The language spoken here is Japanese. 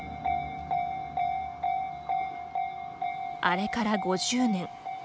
あれから５０年。